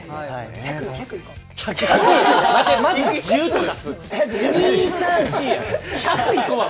１００いこうは。